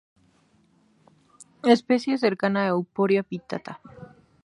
Especie cercana a "Euphorbia vittata".